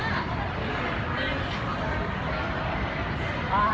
หลักหรือเปล่า